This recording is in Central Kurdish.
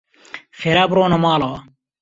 خێرا بڕۆنە ماڵەوە.